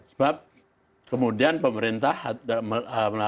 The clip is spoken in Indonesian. sejaknya sudah menelitikai hal dengan tadew bulan dua ribu dua puluh satu